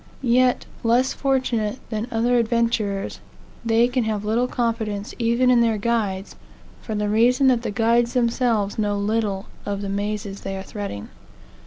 Yet, less fortunate than other adventurers, they can have little confidence even in their guides, for the reason that the guides themselves know little of the mazes they are threading.